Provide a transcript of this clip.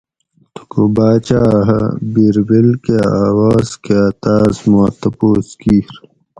تھوکو باچاۤ ھہ بیربل کہ آواز کاۤ تاۤس ما تپوس کِیر